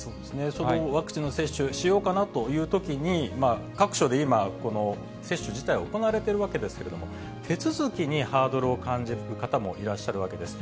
そのワクチンの接種、しようかなというときに、各所で今、接種自体、行われていますけれども、手続きにハードルを感じる方もいらっしゃるわけです。